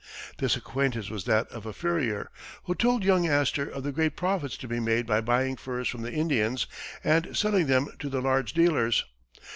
This acquaintance was that of a furrier, who told young Astor of the great profits to be made by buying furs from the Indians and selling them to the large dealers.